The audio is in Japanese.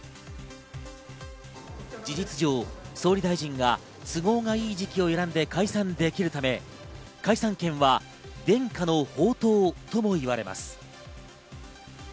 事実上、総理大臣が都合がいい時期を選んで解散できるため、解散権は伝家の宝刀ともいわれます。